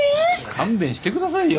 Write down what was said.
勘弁してくださいよ！